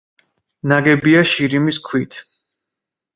ნაგებია შირიმის ქვით.